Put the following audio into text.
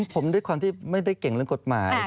ผมด้วยความที่ไม่ได้เก่งเรื่องกฎหมาย